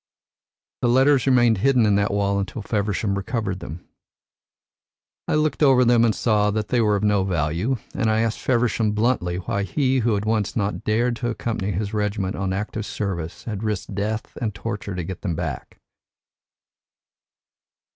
The letters remained hidden in that wall until Feversham recovered them. I looked over them and saw that they were of no value, and I asked Feversham bluntly why he, who had not dared to accompany his regiment on active service, had risked death and torture to get them back."